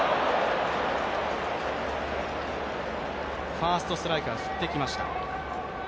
ファーストストライクから振ってきました。